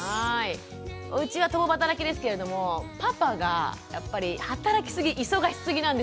うちは共働きですけれどもパパがやっぱり働きすぎ忙しすぎなんですよ。